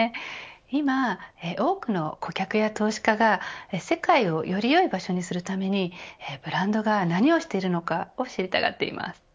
今、多くの顧客や投資家が世界をよりよい場所にするためにブランドが何をしているのかを知りたがっています。